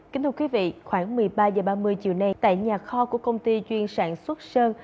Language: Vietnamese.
kính thưa quý vị khoảng một mươi ba h ba mươi chiều nay tại nhà kho của công ty chuyên sản xuất sơn